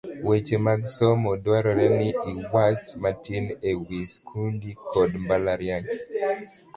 Weche mag Somo , dwarore ni iwach matin e wi skunde kod mbalariany